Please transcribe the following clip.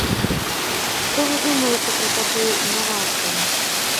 Што вы думаеце пра такую інавацыю?